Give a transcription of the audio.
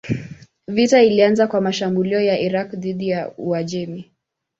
Vita ilianza kwa mashambulio ya Irak dhidi ya Uajemi.